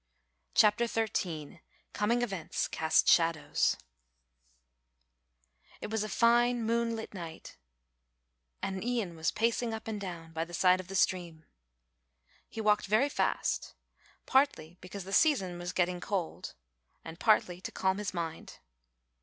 CHAPTER XIII COMING EVENTS CAST SHADOWS It was a fine moonlight night and Ian was pacing up and down by the side of the stream. He walked very fast, partly because the season was getting cold and partly to calm his mind.